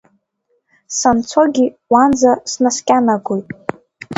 Санцогьы уанӡа снаскьанагоит.